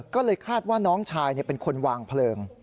ก็เลยคาดว่าน้องชายเป็นคนวางเพลิง